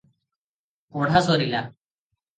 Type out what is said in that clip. ପଢ଼ା ସରିଲା ।